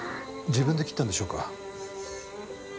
自分で切ったんでしょうか？